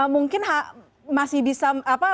mungkin masih bisa